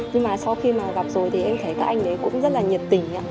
nhưng mà sau khi mà gặp rồi thì em thấy các anh ấy cũng rất là nhiệt tình